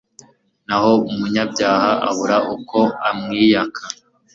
naho umunyabyaha abura uko amwiyaka